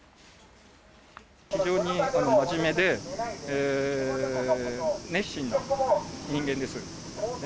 非常に真面目で、熱心な人間です。